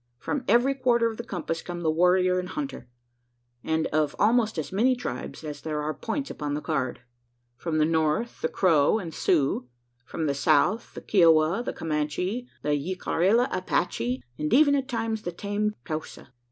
From every quarter of the compass come the warrior and hunter; and of almost as many tribes as there are points upon the card. From the north, the Crow and Sioux; from the south, the Kiowa, the Comanche, the Jicarilla Apache and even at times the tame Taosa.